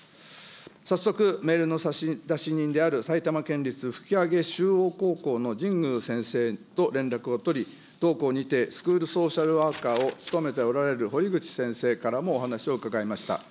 早速、メールの差出人である埼玉県立ふきあげ高校のじんぐう先生と連絡を取り、同校にてスクールソーシャルワーカーを務めておられるほりぐち先生からもお話を伺いました。